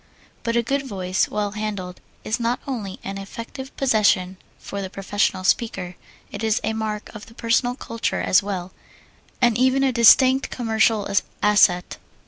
But a good voice, well handled, is not only an effective possession for the professional speaker, it is a mark of personal culture as well, and even a distinct commercial asset.